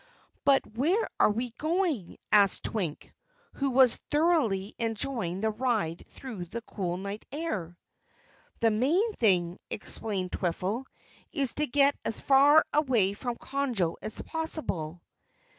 "But where are we going?" asked Twink, who was thoroughly enjoying the ride through the cool night air. "The main thing," explained Twiffle, "is to get as far away from Conjo as possible."